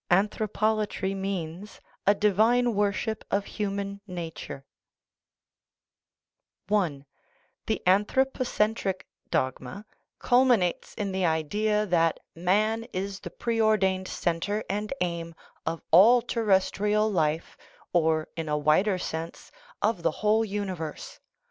(Anthropolatry means * A divine worship of human nature.") II THE RIDDLE OF THE UNIVERSE that man is the preordained centre and aim of all ter restrial life or, in a wider sense, of the whole universe.